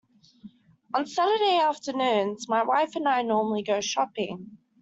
On Saturday afternoons my wife and I normally go shopping